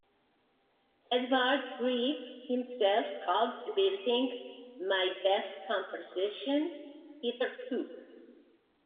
Edvard Grieg himself called the building "my best composition hitherto".